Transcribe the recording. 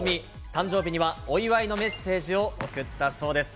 誕生日にはお祝いのメッセージを送ったそうです。